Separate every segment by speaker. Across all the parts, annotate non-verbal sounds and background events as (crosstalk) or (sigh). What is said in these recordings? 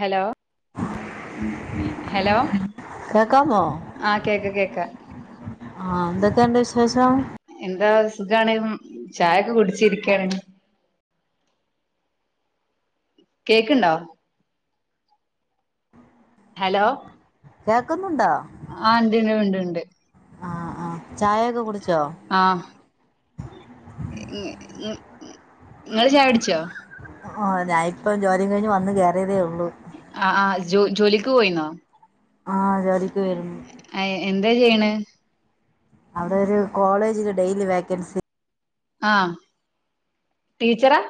Speaker 1: Hello ഹ hello
Speaker 2: കേക്കാമോ
Speaker 1: ആഹ് കേക്ക കേക്ക
Speaker 2: ആഹ് എന്തൊക്കെണ്ട് വിശേഷം
Speaker 1: എന്താ സുഖാണ് ചായൊക്കെ കുടിച്ചിരിക്കയാണ് കേക്ക്ണ്ടോ ഹലോ
Speaker 2: കേക്ക്
Speaker 1: ആഹ് ണ്ട് നോണ്ട് ണ്ട്
Speaker 2: ആഹ് ആഹ്
Speaker 1: ആഹ് ഇങ്ങള് ചായൊട്ച്ചോ?
Speaker 2: ഓ ഞാനിപ്പം ജോലിം കഴിഞ് വന്ന് കയറിയതേയു
Speaker 1: അ ആഹ് (unintelligible) ജോ ജോലിക്ക് പോയിന്നോ
Speaker 2: ആഹ് ജോലി കഴിഞ്ഞു
Speaker 1: ആ, എന്താ ചെയ്യ്ണേ
Speaker 2: അവിടെ ഒരു കോളേജിൽ ഡെയിലി വേക്കൻസി
Speaker 1: ആഹ് ടീച്ചറാ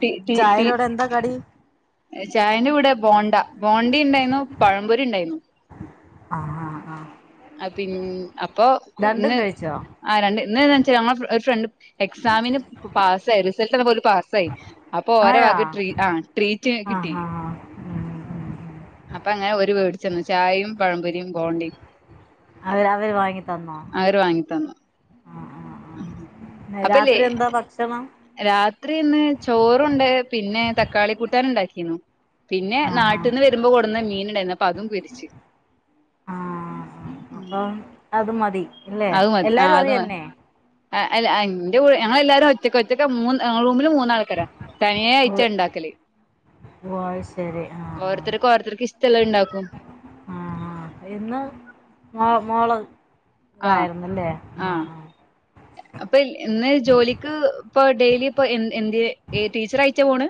Speaker 1: ടി ടി ടി
Speaker 2: ചായരോടെ എന്താ കടി
Speaker 1: ചായന്റെ കൂ ടെ ബോണ്ട ബോണ്ടിം ണ്ടായിരുന്നു പഴംപൊരി ണ്ടായിരുന്നു
Speaker 2: ആഹ് ആഹ് ആഹ്
Speaker 1: ആഹ് പിന്ന അപ്പൊ ഒന്ന്
Speaker 2: കഴിച്ചോ
Speaker 1: ആഹ് രണ്ട് എന്നാ വെച്ചാൽ ഞ ഒരു ഫ്രണ്ട് എക്സാമിന് പാസ്സായി റിസൾട്ട് വന്നപോ പാസ്സായി അപ്പൊ ഓരോ
Speaker 2: ആയോ ആ
Speaker 1: വക ട്ര ആഹ് ട്രീറ്റ്
Speaker 2: ആ
Speaker 1: കിട്ടി
Speaker 2: ആ ഉം ഉം
Speaker 1: അപ്പൊ അങ്ങനെ ഒരു വീട് ചെന്ന ചായയും പഴംപൊരിയും ബണ്ടി
Speaker 2: അവർ അവർ വാങ്ങി തന്നോ ആ
Speaker 1: അവര് വാങ്ങി തന്നു
Speaker 2: ആ ആ.
Speaker 1: അപ്പല്ലേ
Speaker 2: രാത്രി എന്താ ഭക്ഷണം
Speaker 1: രാത്രി ഇന്ന് ചോറുണ്ട് പിന്നെ തക്കാളി കൂട്ടാനുണ്ടാക്കി ിക്കുന്നു പിന്നെ
Speaker 2: ആ ആ
Speaker 1: നാട്ടിൽ നിന്ന് വരുമ്പോ കൊടുുന്ന മീൻ പ്പ അതും പിരിച്ച്ു
Speaker 2: ആഹ അപ്പം അത് മ ഇല്ലേ
Speaker 1: അത് മതി
Speaker 2: എല്ലാരും അത്
Speaker 1: മതി
Speaker 2: തന്നെ
Speaker 1: ആ അല്ല എന്റെറെ ഞങ്ങൾ എല്ലാരും ഒച്ചക്കെ ഒച്ചക്കെ മൂന്ന് റൂമിൽ മൂന്നാ ആൾക്കാരാ തനിയെ അയച്ച ഉണ്ടാക്കലേ
Speaker 2: വയിസ്
Speaker 1: ഓരോത്തർക്കും ഓരോത്തർക്ക്ും ഇഷ്ടെല്ലാം ഇണ്ടാക്കും
Speaker 2: മാ മള
Speaker 1: ആഹ ആഹ അപ്പൊ ഇന്ന് ജോലിക്ക്പ്പ ഡെയിലി ഇപ്പൊ എ എന് ടീച്ചർ അയച്ച പോണ്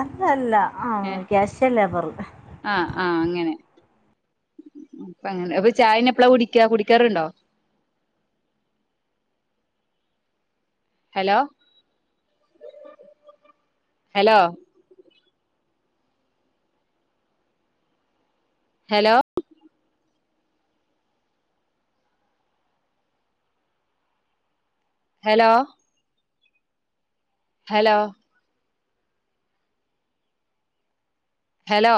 Speaker 2: അതല്ല
Speaker 1: ഏ ആഹ ആഹ അങ്ങനെ അപ്പ അങ്ങനെ അപ്പൊ ചായന എപ്പഴാ കുടിക്ക കുടിക്കാറുണ്ടോ hello hello hello hello hello hello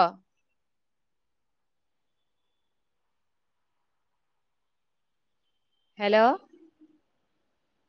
Speaker 1: hello